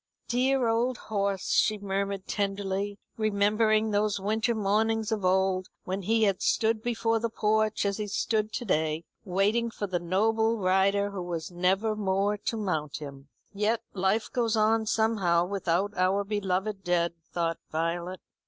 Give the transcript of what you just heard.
"Dear old horse," she murmured tenderly, remembering those winter mornings of old when he had stood before the porch as he stood to day, waiting for the noble rider who was never more to mount him. "Yet life goes on somehow without our beloved dead," thought Violet.